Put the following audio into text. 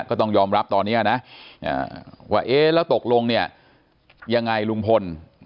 ก็ต้องยอมรับตอนนี้นะว่าเอ๊ะแล้วตกลงเนี่ยยังไงลุงพล